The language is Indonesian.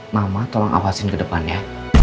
mama tolong awasin kedepannya